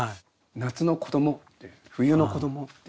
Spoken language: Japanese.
夏の子どもって冬の子どもって。